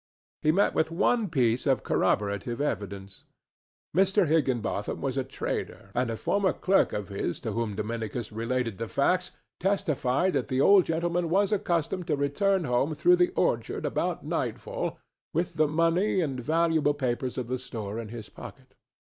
He met with one piece of corroborative evidence. Mr. Higginbotham was a trader, and a former clerk of his to whom Dominicus related the facts testified that the old gentleman was accustomed to return home through the orchard about nightfall with the money and valuable papers of the store in his pocket.